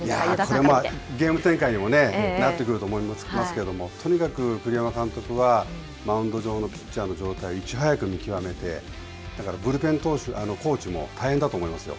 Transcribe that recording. これ、ゲーム展開でもね、なってくると思いますけれども、とにかく栗山監督はマウンド上のピッチャーの状態、いち早く見極めて、だからブルペン投手、コーチも大変だと思いますよ。